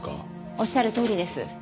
おっしゃるとおりです。